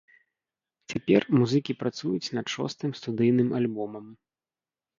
Цяпер музыкі працуюць над шостым студыйным альбомам.